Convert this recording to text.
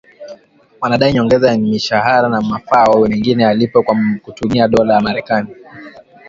wanadai nyongeza ya mishahara na mafao mengine yalipwe kwa kutumia dola ya Marekani